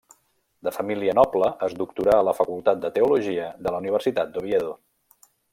De família noble, es doctorà a la facultat de teologia de la Universitat d'Oviedo.